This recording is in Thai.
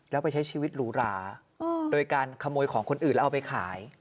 แล้วไปใช้ชีวิตหรูหราโดยการขโมยของคนอื่นแล้วเอาไปขาย